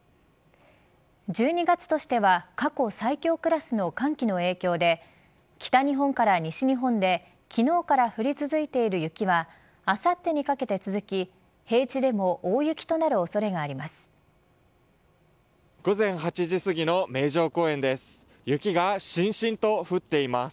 １２月としては過去最強クラスの寒気の影響で北日本から西日本で昨日から降り続いている雪はあさってにかけて続き平地でも大雪となる恐れがあります。